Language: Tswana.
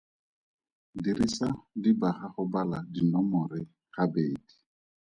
Dirisa dibaga go bala dinomore gabedi.